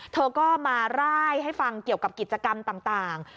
เธอก็มาร่ายให้ฟังเกี่ยวกับกิจกรรมต่าง